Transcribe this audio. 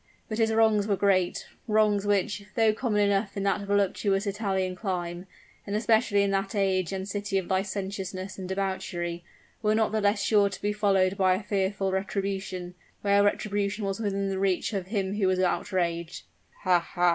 But his wrongs were great wrongs which, though common enough in that voluptuous Italian clime, and especially in that age and city of licentiousness and debauchery, were not the less sure to be followed by a fearful retribution, where retribution was within the reach of him who was outraged. "Ha! ha!"